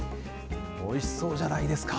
おいしそうじゃないですか。